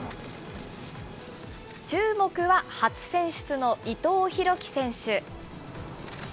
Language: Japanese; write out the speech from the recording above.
注目は初選出の伊藤洋輝選手。